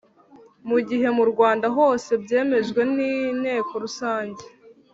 Mu gihe mu Rwanda hose byemejwe n’Inteko Rusange